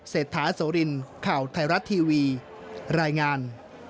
เศรษฐาโสรินข่าวไทยรัฐทีวีรายงาน